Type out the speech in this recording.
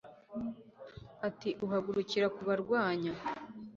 ati uhagurukira kubarwanya